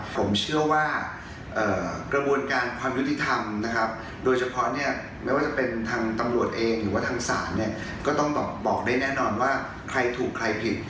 ผมเชื่อว่ากระบวนการความยุติธรรมนะครับโดยเฉพาะเนี่ยไม่ว่าจะเป็นทางตำรวจเองหรือว่าทางศาลเนี่ยก็ต้องบอกได้แน่นอนว่าใครถูกใครผิด